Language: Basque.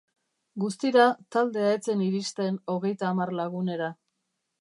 Guztira, taldea ez zen iristen hogeita hamar lagunera.